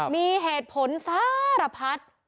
มีเหตุผลสารพัด